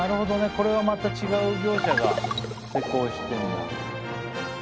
これはまた違う業者が施工してるんだ。